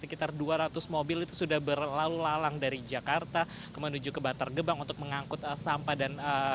mungkin bisa jadi lebih kurang lebih banyak dari dua ratus mobil itu sudah berlalu lalang dari jakarta menuju ke batargebang untuk mengangkut sampah